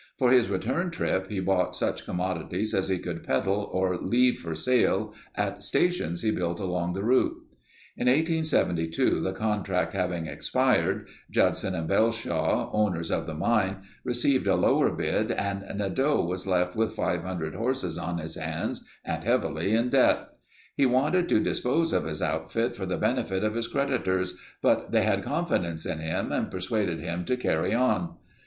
For his return trip he bought such commodities as he could peddle or leave for sale at stations he built along the route. In 1872, the contract having expired, Judson and Belshaw, owners of the mine, received a lower bid and Nadeau was left with 500 horses on his hands and heavily in debt. He wanted to dispose of his outfit for the benefit of his creditors but they had confidence in him and persuaded him to "carry on."